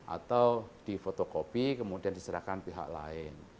atau di fotocopy kemudian diserahkan pihak lain